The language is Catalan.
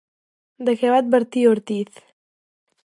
De què va advertir Ortiz?